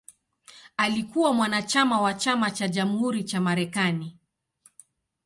Alikuwa mwanachama wa Chama cha Jamhuri cha Marekani.